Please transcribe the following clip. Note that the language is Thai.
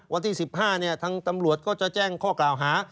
วันที่๑๕ทางตำรวจก็จะแจ้งข้อกล่าวหา